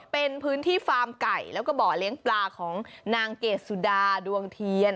เป็นพื้นที่ฟาร์มไก่แล้วก็บ่อเลี้ยงปลาของนางเกดสุดาดวงเทียน